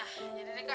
ah yaudah deh kak